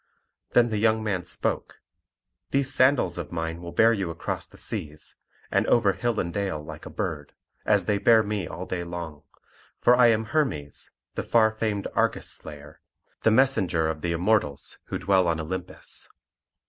Then the young man spoke: "These sandals of mine will bear you across the seas, and over hill and dale like a bird, as they bear me all day long; for I am Hermes, the far famed Argus slayer, the messenger of the Immortals who dwell on Olympus."